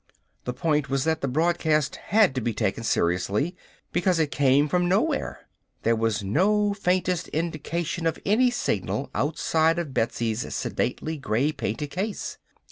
The point was that the broadcast had to be taken seriously because it came from nowhere. There was no faintest indication of any signal outside of Betsy's sedately gray painted case.